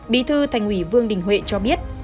bí thư thành hủy vương đình huệ cho biết